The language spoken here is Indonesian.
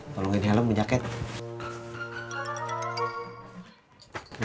tolongin helm bujangnya